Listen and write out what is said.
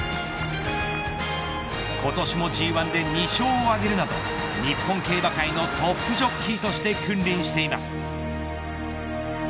今年もＧ１で２勝を挙げるなど日本競馬界のトップジョッキーとして君臨しています。